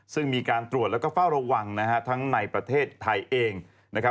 ซึ่งมีการตรวจแล้วก็เฝ้าระวังนะฮะทั้งในประเทศไทยเองนะครับ